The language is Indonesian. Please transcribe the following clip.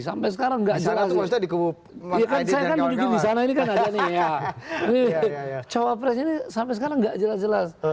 sampai sekarang nggak jelas di sana ini kan aja nih ya cawapres ini sampai sekarang nggak jelas jelas